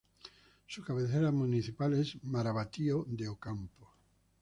Su cabecera municipal es Maravatío de Ocampo.